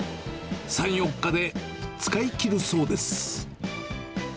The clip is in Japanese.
３、４日で使い切るそうです。